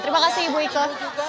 terima kasih ibu ike